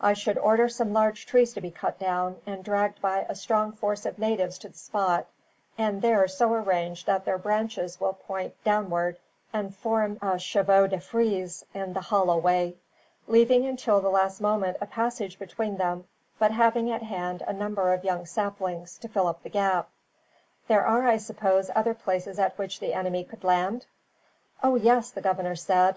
I should order some large trees to be cut down, and dragged by a strong force of natives to the spot, and there so arranged that their branches will point downward and form a chevaux de frise in the hollow way; leaving until the last moment a passage between them, but having at hand a number of young saplings, to fill up the gap. There are, I suppose, other places at which the enemy could land?" "Oh, yes," the governor said.